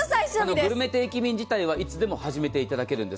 グルメ定期便自体はいつでも始めていただけるんです。